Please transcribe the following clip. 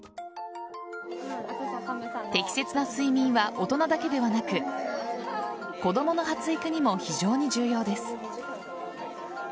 適切な睡眠は大人だけではなく子供の発育にも非常に重要です。